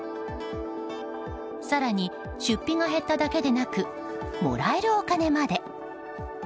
更に出費が減っただけでなくもらえるお金まで。